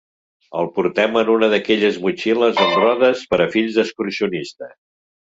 El portem en una d'aquelles motxilles amb rodes per a fills d'excursionista.